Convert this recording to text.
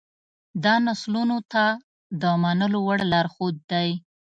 دا نسلونو ته د منلو وړ لارښود دی.